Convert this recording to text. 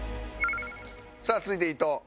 さあ続いて伊藤。